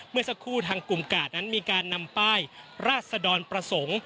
เมื่อสักครู่ทางกลุ่มกาดนั้นมีการนำป้ายราศดรประสงค์